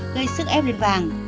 gây sức ép lên vàng